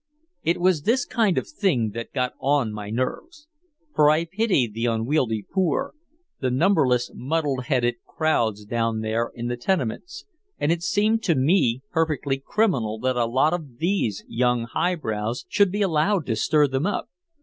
It was this kind of thing that got on my nerves. For I pitied the unwieldy poor, the numberless muddle headed crowds down there in the tenements, and it seemed to me perfectly criminal that a lot of these young high brows should be allowed to stir them up.